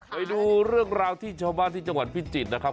ไปดูเรื่องราวที่ชาวบ้านที่จังหวัดพิจิตรนะครับ